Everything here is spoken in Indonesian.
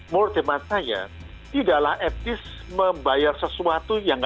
more than that saya tidaklah etis membayar sesuatu yang tidak bisa